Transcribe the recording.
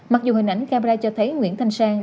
mặc dù hình ảnh camera cho thấy nguyễn thanh sang